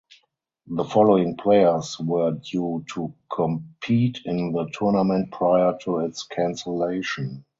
The following players were due to compete in the tournament prior to its cancellation.